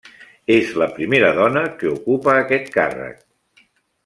És la primera dona que ocupa aquest càrrec.